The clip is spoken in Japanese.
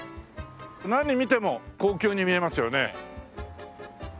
何見ても高級に見えますよね。